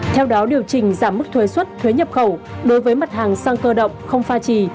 theo đó điều chỉnh giảm mức thuế xuất thuế nhập khẩu đối với mặt hàng xăng cơ động không pha trì